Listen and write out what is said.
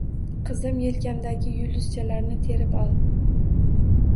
Qizim, yelkamdagi yulduzchalarni terib ol.